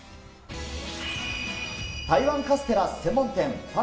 台湾カステラ専門店、米米。